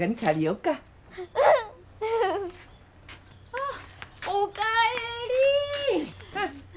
ああお帰り！